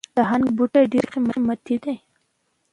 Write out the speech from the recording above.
د هنګ بوټی ډیر قیمتي دی